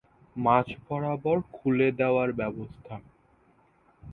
মাঝ বরাবর খুলে দেওয়ার ব্যবস্থা।